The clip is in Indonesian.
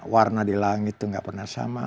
warna di langit itu nggak pernah sama